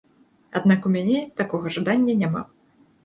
Аднак у мяне такога жадання няма.